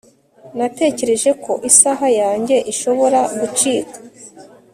Natekereje ko isaha yanjye ishobora gucika